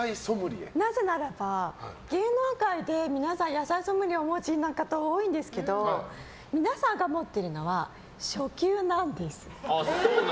なぜならば、芸能界で皆さん、野菜ソムリエをお持ちの方多いんですけど皆さんが持っているのは初級なんです。